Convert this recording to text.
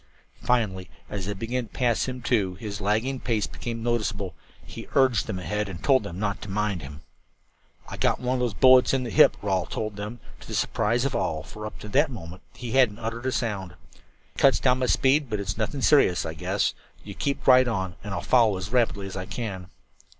Finally, as they began to pass him, too, and his lagging pace became noticeable, he urged them ahead and told them not to mind him. "I got one of those bullets in the hip," Rawle told them, to the surprise of all, for up to that moment he hadn't uttered a sound. "It cuts down my speed, but it's nothing serious, I guess. You keep right on and I'll follow as rapidly as I can."